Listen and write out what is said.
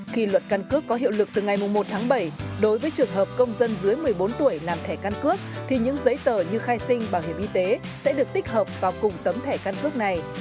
khi luật căn cước có hiệu lực từ ngày một tháng bảy đối với trường hợp công dân dưới một mươi bốn tuổi làm thẻ căn cước thì những giấy tờ như khai sinh bảo hiểm y tế sẽ được tích hợp vào cùng tấm thẻ căn cước này